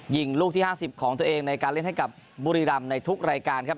ยิงลูกที่๕๐ของตัวเองในการเล่นให้กับบุรีรำในทุกรายการครับ